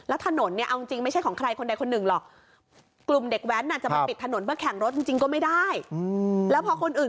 อาธารณะที่ทุกคนต้องใช้ร่วมกันนะ